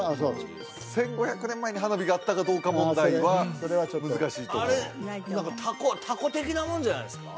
１５００年前に花火があったかどうか問題は難しいところ凧的なものじゃないですか？